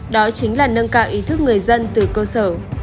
đó chính là nâng cao ý thức người dân từ cơ sở